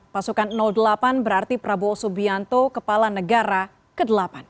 pasukan delapan berarti prabowo subianto kepala negara ke delapan